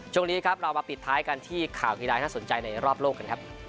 ช่วงนี้ครับเรามาปิดท้ายกันที่ข่าวกีฬาที่น่าสนใจในรอบโลกกันครับ